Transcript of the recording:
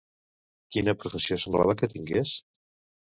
Quina professió semblava que tingués?